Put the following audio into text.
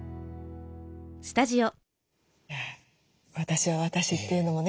「私は私」っていうのもね